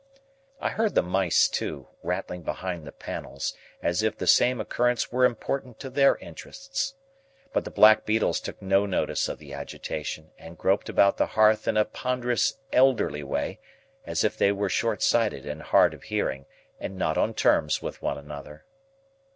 I heard the mice too, rattling behind the panels, as if the same occurrence were important to their interests. But the black beetles took no notice of the agitation, and groped about the hearth in a ponderous elderly way, as if they were short sighted and hard of hearing, and not on terms with one another.